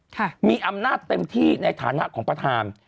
ค่ะมีอำนาจเต็มที่ในฐานะของประธาน